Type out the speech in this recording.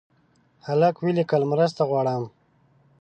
هلک ولیکل مرسته غواړم.